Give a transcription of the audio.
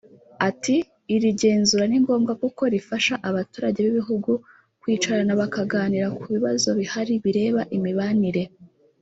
Ati "Iri genzura ni ngombwa kuko rifasha abaturage b’ibihugu kwicarana bakaganira ku bibazo bihari bireba imibanire